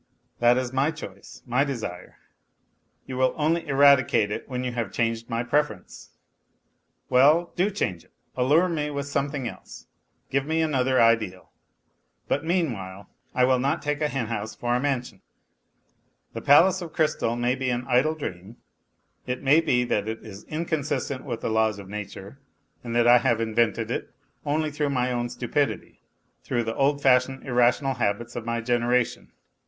That is my choice, my desire. You will only eradicate it when you have changed my preference . Well, do change it, allure me with something else, give me an other ideal. But meanwhile I will not take a hen house for a mansion. The palace of crystal may be an idle dream, it may be that it is inconsistent with the laws of nature and that I have invented it only through my own stupidity, through the old fashioned irrational habits of my generation.